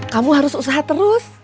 kamu harus usaha terus